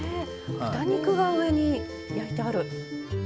豚肉が上に焼いてある。